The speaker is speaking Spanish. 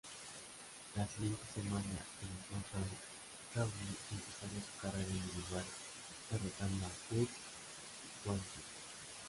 La siguiente semana en "SmackDown", Rawley empezaría su carrera individual, derrotando a Curt Hawkins.